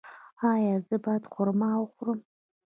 ایا زه باید خرما وخورم؟